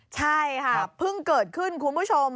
ใช่ค่ะเพิ่งเกิดขึ้นคุณผู้ชม